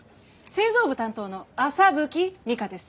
製造部担当の麻吹美華です。